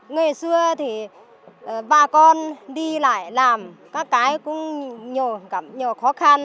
ngày xưa thì bà con đi lại làm các cái cũng nhiều khó khăn